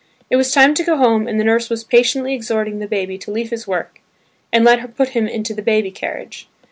It was time to go home and the nurse was patiently exhorting the baby to leave his work and let her put him into the baby carriage.